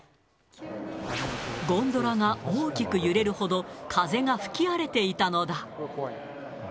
ゴンドラが大きく揺れるほど、風が吹き荒れていたのだ。